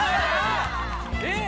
えっ！